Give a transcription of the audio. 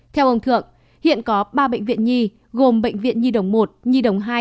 theo ông thượng hiện có ba bệnh viện nhi gồm bệnh viện nhi đồng một nhi đồng hai